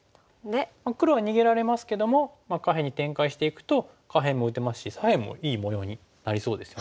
黒は逃げられますけども下辺に展開していくと下辺も打てますし左辺もいい模様になりそうですよね。